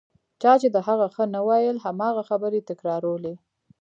چا چې د هغه ښه نه ویل هماغه خبرې تکرارولې.